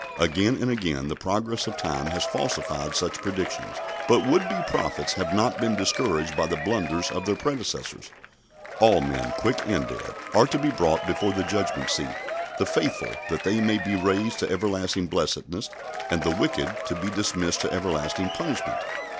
Again and again the progress of time has falsified such predictions, but would be prophets have not been discouraged by the blunders of their predecessors. All men, quick and dead, are to be brought before the Judgment seat, the faithful that they may be raised to everlasting blessedness, and the wicked to be dismissed to everlasting punishment.